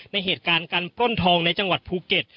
ในเหตุการณ์การปล้นทองในจังหวัดภูเก็ต